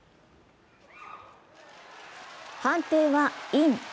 判定はイン。